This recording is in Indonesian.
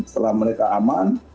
setelah mereka aman